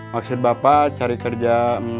maksud bapak cari kerja